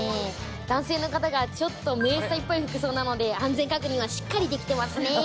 男性の方がちょっと迷彩っぽい服装なので、安全確認はしっかりできてますね。